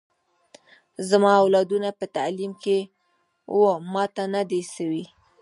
زما اولادونه په تعلیم کي و ماته نه دي سوي